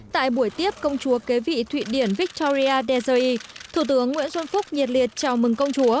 tại buổi tiếp công chúa kế vị thụy điển victoria desi thủ tướng nguyễn xuân phúc nhiệt liệt chào mừng công chúa